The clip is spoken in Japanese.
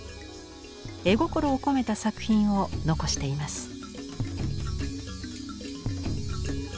絵心を込めた作品を残しています。